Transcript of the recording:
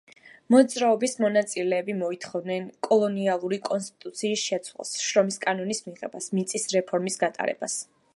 მოძრაობის მონაწილეები მოითხოვდნენ კოლონიალური კონსტიტუციის შეცვლას, შრომის კანონის მიღებას, მიწის რეფორმის გატარებას.